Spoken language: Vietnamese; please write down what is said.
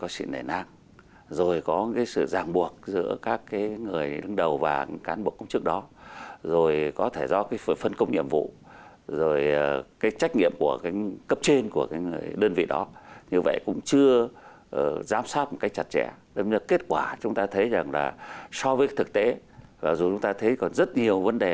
so với thực tế dù chúng ta thấy còn rất nhiều vấn đề